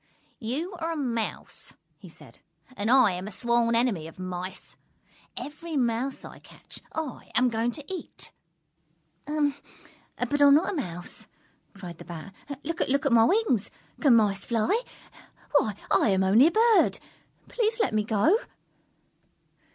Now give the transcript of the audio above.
"You are a Mouse," he said, "and I am a sworn enemy of Mice. Every Mouse I catch, I am going to eat!" "But I am not a Mouse!" cried the Bat. "Look at my wings. Can Mice fly? Why, I am only a Bird! Please let me go!"